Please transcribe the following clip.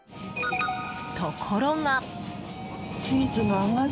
ところが。